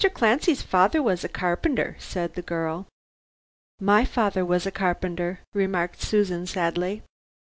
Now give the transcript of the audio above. Clancy's father was a carpenter," said the girl. "My father was a carpenter," remarked Susan, sadly.